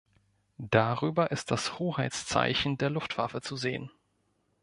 Darüber ist das Hoheitsabzeichen der Luftwaffe zu sehen.